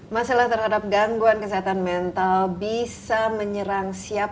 masalah terhadap gangguan kesehatan mental bisa menyerang siapa